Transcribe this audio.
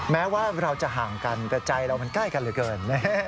แม้ว่าเราจะห่างกันแต่ใจเรามันใกล้กันเหลือเกิน